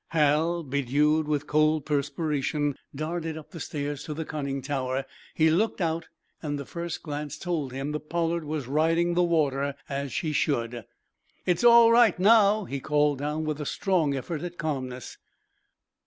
Hal, bedewed with cold perspiration, darted up the stairs to the conning tower. He looked out, and the first glance told him the "Pollard" was riding the water as she should. "It's all right now," he called down, with a strong effort at calmness.